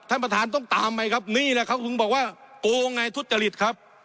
ท่านประธานต้องตามไปครับนี่แหละครับถึงบอกว่าโกงไงทุจริตครับ